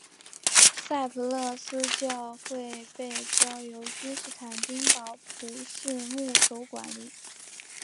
赛普勒斯教会被交由君士坦丁堡普世牧首管理。